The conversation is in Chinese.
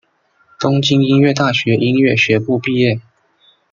东京音乐大学音乐学部毕业。